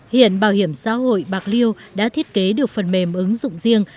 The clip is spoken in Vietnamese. hiện bảo hiểm xã hội bạc liêu đã thiết kế được phần mềm ứng dụng riêng